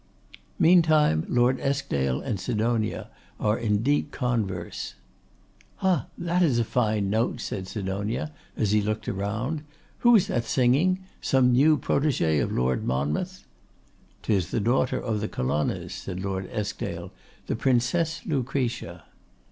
Meantime Lord Eskdale and Sidonia are in deep converse. 'Hah! that is a fine note!' said Sidonia, and he looked round. 'Who is that singing? Some new protégée of Lord Monmouth?' ''Tis the daughter of the Colonnas,' said Lord Eskdale, 'the Princess Lucretia.